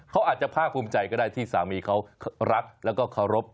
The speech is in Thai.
เขาอาจจะภาคภูมิใจก็ได้ที่สามีเขารักแล้วก็เคารพ